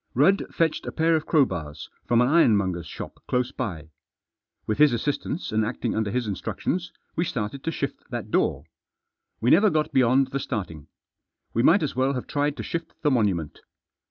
Rudd fetched a pair of crowbars from an iron monger's shop close by. With his assistance, and acting under his instructions, we started to shift that door. We never got beyond the starting. We might as well have tried to shift the monument.